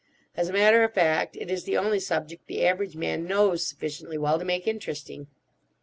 As a matter of fact it is the only subject the average man knows sufficiently well to make interesting.